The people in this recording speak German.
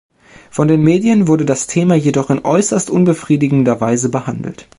Von den Medien wurde das Thema jedoch in äußerst unbefriedigender Weise behandelt.